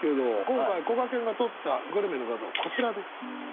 今回こがけんが撮ったグルメの画像こちらです。